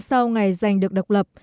sau ngày giành được độc lập